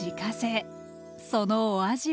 そのお味は？